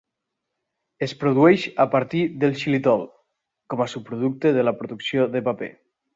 Es produeix a partir del xilitol, com a subproducte de la producció de paper.